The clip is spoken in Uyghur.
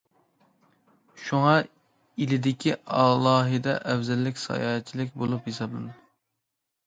شۇڭا ئىلىدىكى ئالاھىدە ئەۋزەللىك ساياھەتچىلىك بولۇپ ھېسابلىنىدۇ.